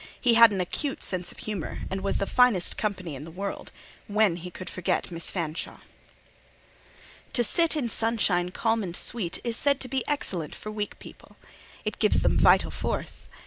He had an acute sense of humour, and was the finest company in the world—when he could forget Miss Fanshawe. To "sit in sunshine calm and sweet" is said to be excellent for weak people; it gives them vital force.